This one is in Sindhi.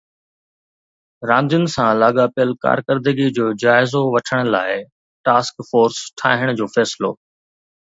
راندين سان لاڳاپيل ڪارڪردگي جو جائزو وٺڻ لاءِ ٽاسڪ فورس ٺاهڻ جو فيصلو